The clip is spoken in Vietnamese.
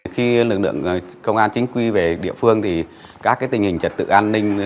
khi lực lượng công an chính quy về địa phương thì các tình hình trật tự an ninh